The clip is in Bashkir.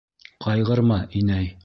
— Ҡайғырма, инәй.